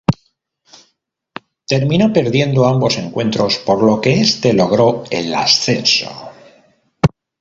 Terminó perdiendo ambos encuentros, por lo que este logró el ascenso.